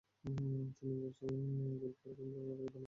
তিনি গোল করলে কিংবা গোল বানিয়ে দিলেই কেবল আর্জেন্টিনা জিততে পারে।